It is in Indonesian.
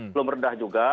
belum redah juga